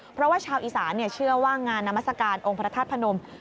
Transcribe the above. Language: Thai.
เพราะว่าชาวอีสานต์เชื่อว่างานนามศกรรมองค์พระท่าสมมติ